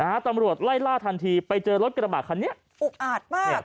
ตำรวจไล่ล่าทันทีไปเจอรถกระบะคันนี้อุกอาดมาก